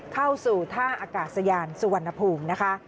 เข้าสู่ท่าอากาศยานสุวรรณภูมินะคะ